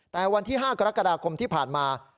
แต่วันที่๕กรกฎาคมที่ผ่านมา